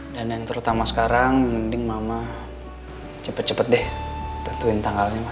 dan yang terutama sekarang mending mama cepet cepet deh tentuin tanggalnya ma